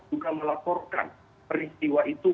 juga melaporkan peristiwa itu